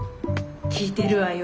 聞いてるわよ